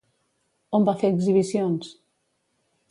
On va fer exhibicions?